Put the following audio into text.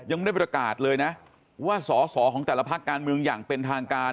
ยังไม่ได้ประกาศเลยนะว่าสอสอของแต่ละพักการเมืองอย่างเป็นทางการ